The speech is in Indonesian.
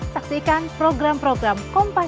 saksikan program program kompas